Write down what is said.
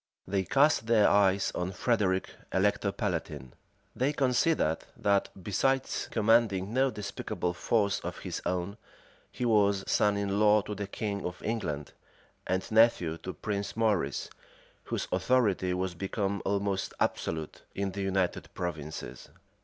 They cast their eyes on Frederic, elector palatine. They considered that, besides commanding no despicable force of his own, he was son in law to the king of England, and nephew to Prince Maurice, whose authority was become almost absolute in the United Provinces.